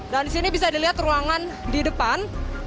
dan di sini bisa dilihat ruangan di depan